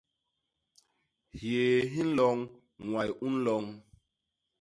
Hyéé hi nloñ; ñway u nloñ.